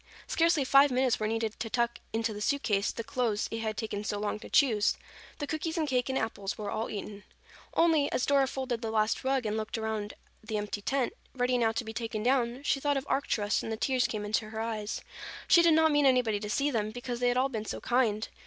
Scarcely five minutes were needed to tuck into the suit case the clothes it had taken so long to choose. The cookies and cake and apples were all eaten. Only, as Dora folded the last rug and looked around the empty tent, ready now to be taken down, she thought of Arcturus and the tears came to her eyes. She did not mean anybody to see them, because they had all been so kind.